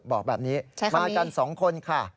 บอกแบบนี้มากัน๒คนค่ะ